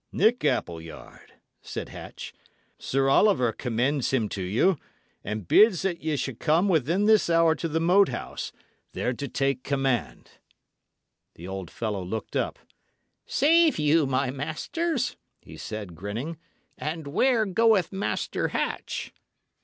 "Nick Appleyard," said Hatch, "Sir Oliver commends him to you, and bids that ye shall come within this hour to the Moat House, there to take command." The old fellow looked up. "Save you, my masters!" he said, grinning. "And where goeth Master Hatch?"